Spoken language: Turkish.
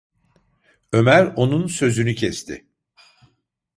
Ömer onun sözünü kesti: